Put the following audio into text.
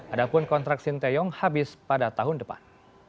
adapun kontrak sinteyong habis pada tahun depan